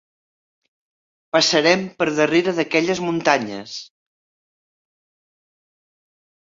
Passarem per darrere d'aquelles muntanyes.